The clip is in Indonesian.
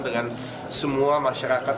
dengan semua masyarakat